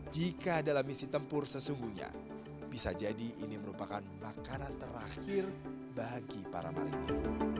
jika dalam misi tempur sesungguhnya bisa jadi ini merupakan makanan terakhir bagi para marinir